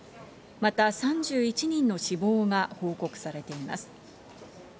また３１人の死亡が報告されています。